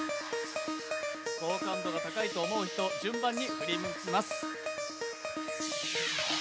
好感度の高いと思う人、順番に振り向きます。